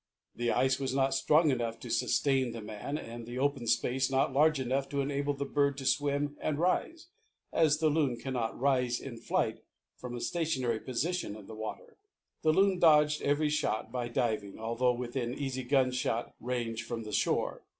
The ice was not strong enough to sustain the man and the open space not large enough to enable the bird to swim and rise, as a Loon cannot rise in flight from a stationary position in the water. The Loon dodged every shot, by diving, although within easy gunshot range from the shore.